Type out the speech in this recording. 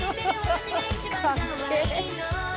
かっけえ。